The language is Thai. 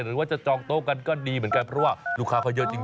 หรือว่าจะจองโต๊ะกันก็ดีเหมือนกันเพราะว่าลูกค้าเขาเยอะจริง